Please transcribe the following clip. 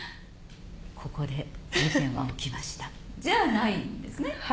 「ここで事件は起きました」じゃないんですね。